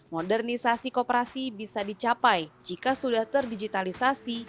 modernisasi kooperasi bisa dicapai jika sudah terdigitalisasi